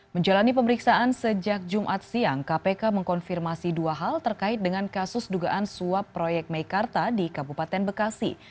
menjalani pemeriksaan sejak jumat siang kpk mengkonfirmasi dua hal terkait dengan kasus dugaan suap proyek meikarta di kabupaten bekasi